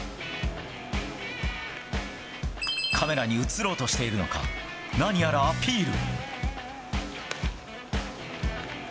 カメラに写ろうとしているのか、何やらアピール。